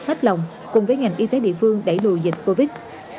hết lòng cùng với ngành y tế địa phương đẩy lùi dịch covid